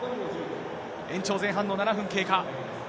延長前半の経過。